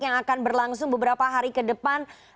yang akan berlangsung beberapa hari ke depan